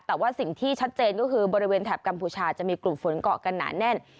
แต่ว่าสิ่งที่ชัดเจนก็คือบริเวณแถบกัมพูชาจะมีกลุ่มฝนเกาะกันหนาแน่น